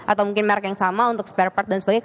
atau mungkin merek yang sama untuk spare part dan sebagainya